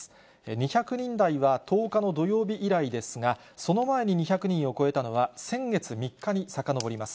２００人台は１０日の土曜日以来ですが、その前に２００人を超えたのは、先月３日にさかのぼります。